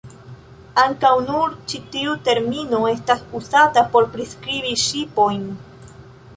Ankaŭ nur ĉi tiu termino estas uzata por priskribi ŝipojn.